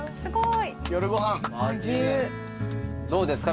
どうですか？